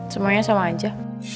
semuanya sama aja